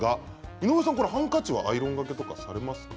井上さん、ハンカチはアイロンがけされますか。